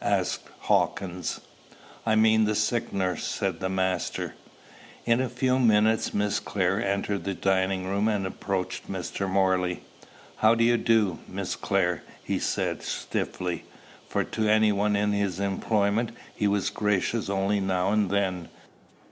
asked Hawkins. "I mean the sick nurse," said his master. In a few minutes Miss Clare entered the dining room, and approached Mr. Morley. "How do you do, Miss Clare?" he said stiffly; for to any one in his employment he was gracious only now and then.